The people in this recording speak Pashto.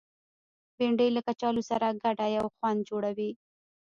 بېنډۍ له کچالو سره ګډه یو خوند جوړوي